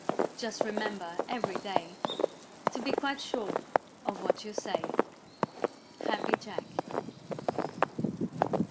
Just remember every day To be quite sure of what you say. _Happy Jack.